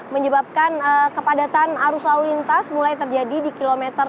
menyebabkan kepadatan arus lalu lintas mulai terjadi di kilometer tiga puluh